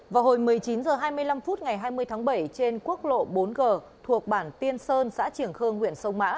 vào hồi một mươi chín h hai mươi năm phút ngày hai mươi tháng bảy trên quốc lộ bốn g thuộc bản tiên sơn xã triềng khương huyện sông mã